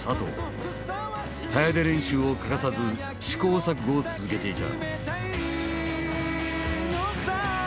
早出練習を欠かさず試行錯誤を続けていた。